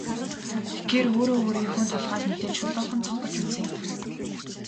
Тэгэхээр өөрөө өөрийнхөө толгойг мэдээд шулуухан зугтаж үзье.